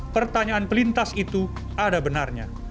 pertanyaan pelintas itu ada benarnya